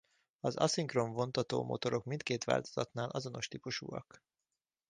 Az aszinkron vontatómotorok mindkét változatnál azonos típusúak.